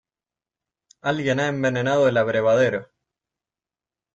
¡ Alguien ha envenenado el abrevadero!